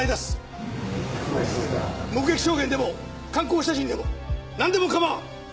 目撃証言でも観光写真でもなんでも構わん。